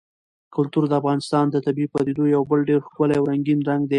کلتور د افغانستان د طبیعي پدیدو یو بل ډېر ښکلی او رنګین رنګ دی.